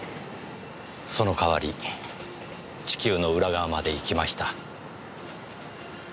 その代わり地球の裏側まで行きました。